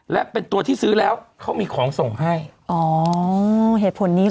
และเป็นตัวที่ซื้อแล้วเขามีของส่งให้อ๋อเหตุผลนี้